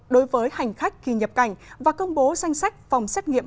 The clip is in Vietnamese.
đối với hành khách khi nhập cảnh và công bố danh sách phòng xét nghiệm